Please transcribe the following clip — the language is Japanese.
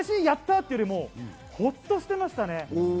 やった！というよりもホッとしてましたね。